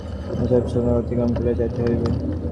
এই সোপানগুলি অতিক্রম করিয়া যাইতে হইবে।